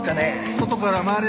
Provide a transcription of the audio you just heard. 外から回れ。